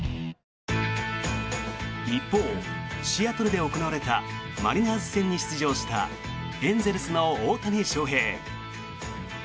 一方、シアトルで行われたマリナーズ戦に出場したエンゼルスの大谷翔平。